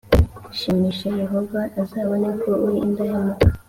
shimisha Yehova azabona ko uri indahemuka